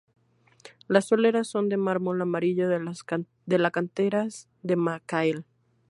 Las soleras son de mármol amarillo de la canteras de Macael.